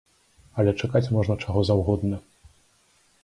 Але чакаць можна чаго заўгодна.